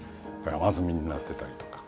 山積みになってたりとか。